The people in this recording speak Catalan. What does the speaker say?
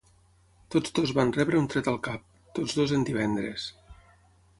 Tots dos van rebre un tret al cap. Tots dos en divendres.